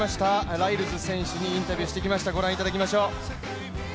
ライルズ選手にインタビューしてきました、ご覧いただきましょう。